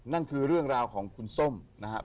นั่นคือเรื่องราวของคุณส้มนะครับ